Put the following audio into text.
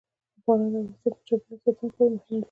باران د افغانستان د چاپیریال ساتنې لپاره مهم دي.